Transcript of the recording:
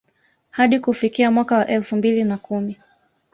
Hadi kufikia mwaka wa elfu mbili na kumi